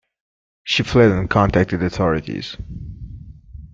She fled and contacted authorities.